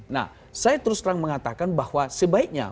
nah saya terus terang mengatakan bahwa sebaiknya